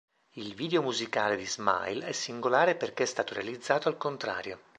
Il video musicale di "Smile" è singolare perché è stato realizzato al contrario.